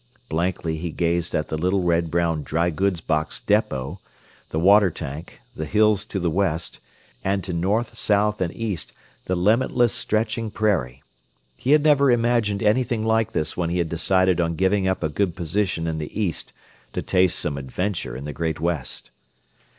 Blankly he gazed at the little red brown "drygoods box" depot, the water tank, the hills to the west, and to north, south and east the limitless stretching prairie. He had never imagined anything like this when he had decided on giving up a good position in the east to taste "some adventure" in the great west.